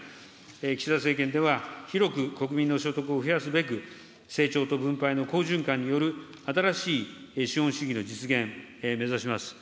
岸田政権では、広く国民の所得を増やすべく、成長と分配の好循環による新しい資本主義の実現、目指します。